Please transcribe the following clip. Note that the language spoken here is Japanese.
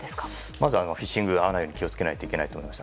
まずはフィッシングに遭わないように気を付けないといけないと思います。